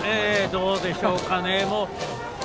どうでしょうかね。